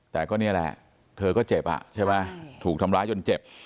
แต่ก็นี่แหละเธอก็เจ็บอ่ะใช่ไหมถูกทำร้ายจนเจ็บ